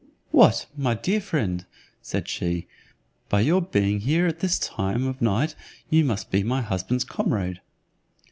"What! my dear friend," said she, "by your being here at this time of night you must be my husband's comrade?"